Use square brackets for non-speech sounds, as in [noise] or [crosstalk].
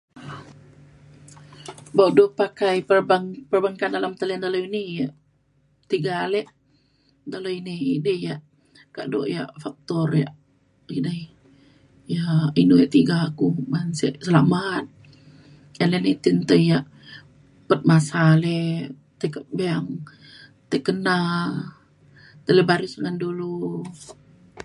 buk du pakai perbank- perbankan dalem talian ini yak tiga ale dalau ini edei yak kado yak faktor yak edei yak inu yak tiga ku uban sek selamat . [unintelligible] ti yak pet masa ale tai kak bank tai kena tai le baris ngan dulu.